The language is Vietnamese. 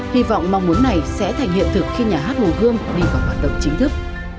hy vọng mong muốn này sẽ thành hiện thực khi nhà hát hồ gươm đi vào hoạt động chính thức